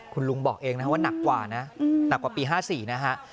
คุณลุงบอกเองนะครับว่านักกว่านะหนักกว่าปี๕๔นะฮะ